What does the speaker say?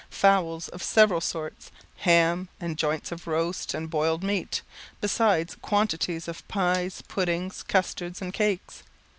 Fowls of several sorts, ham, and joints of roast and boiled meat, besides quantities of pies, puddings, custards, and cakes.